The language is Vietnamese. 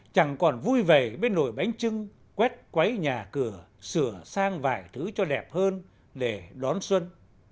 chẳng còn vui vẻ với nồi bánh trưng quét quáy nhà cửa sửa sang vài thứ cho đẹp hơn để đón xuân